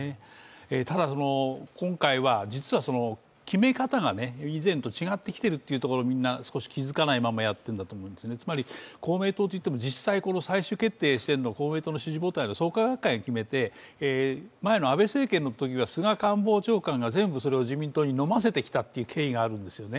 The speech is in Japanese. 今回は決め方が以前と変わってきているところがみんな気がつかずにやってると思うんですがつまり、公明党といっても実際、最終決定しているのは公明党の支持母体の創価学会が決めて、前の安倍政権のときは菅官房長官が全部それを自民党にのませてきたっていう経緯があるんですよね。